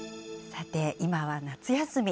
さて、今は夏休み。